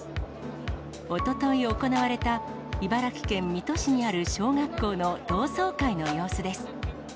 おととい行われた茨城県水戸市にある小学校の同窓会の様子です。